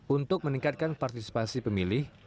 untuk meningkatkan partisipasi pemilih